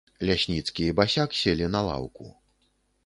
Лясніцкі і басяк селі на лаўку.